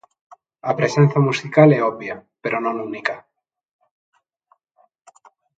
A presenza musical é obvia, pero non única.